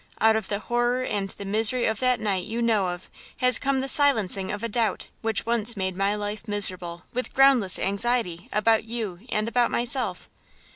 Out of the horror and the misery of that night you know of has come the silencing of a doubt which once made my life miserable with groundless anxiety about you and about myself.